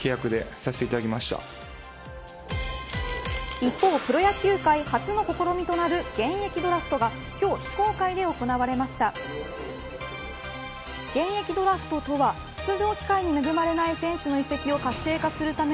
一方、プロ野球界初の試みとなる現役ドラフトとは出場機会に恵まれない選手の移籍を活性化するため